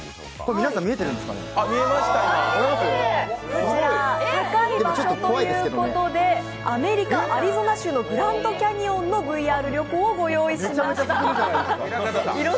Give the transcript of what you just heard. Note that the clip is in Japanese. こちら高い場所ということでアメリカ・アリゾナ州のグランドキャニオンのＶＲ旅行をご用意しました。